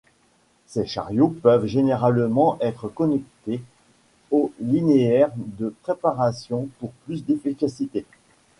Ces Chariots peuvent généralement être connectés aux linéaires de préparation pour plus d'efficacité.